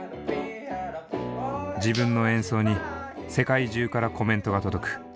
自分の演奏に世界中からコメントが届く。